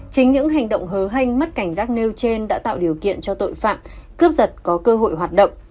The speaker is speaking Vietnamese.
chính những hành động hớ hanh mất cảnh giác nêu trên đã tạo điều kiện cho tội phạm cướp giật có cơ hội hoạt động